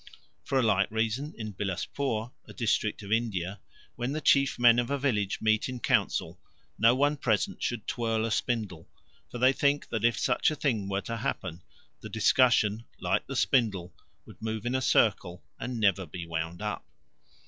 For a like reason in Bilaspore, a district of India, when the chief men of a village meet in council, no one present should twirl a spindle; for they think that if such a thing were to happen, the discussion, like the spindle, would move in a circle and never be wound up.